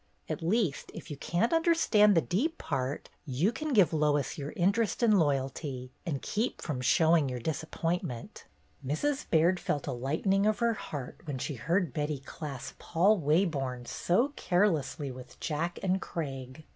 At least, if you can't understand the deep part, you can give Lois your interest and loyalty, and keep from showing your disappointment." Mrs. Baird felt a lightening of her heart LOIS'S ENGAGEMENT 203 when she heard Betty class Paul Waborne so carelessly with Jack and Craig.